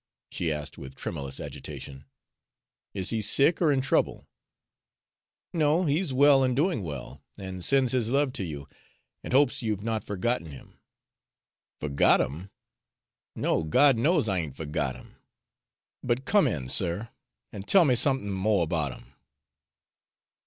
she asked with tremulous agitation. "Is he sick, or in trouble?" "No. He's well and doing well, and sends his love to you, and hopes you've not forgotten him." "Fergot him? No, God knows I ain't fergot him! But come in, sir, an' tell me somethin' mo' about him."